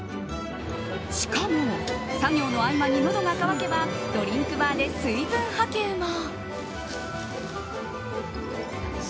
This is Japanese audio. しかも、作業の合間にのどが渇けばドリンクバーで水分補給も。